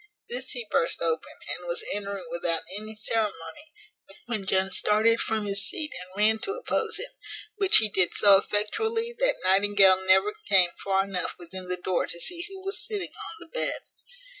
This he burst open, and was entering without any ceremony, when Jones started from his seat and ran to oppose him, which he did so effectually, that Nightingale never came far enough within the door to see who was sitting on the bed.